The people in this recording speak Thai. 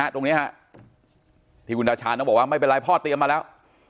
ตรงนี้ที่คุณตาชาญต้องบอกว่าไม่เป็นไรพ่อเตรียมมาแล้ว